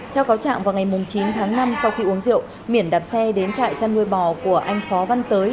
theo cáo trạng vào ngày chín tháng năm sau khi uống rượu miển đạp xe đến trại chăn nuôi bò của anh phó văn tới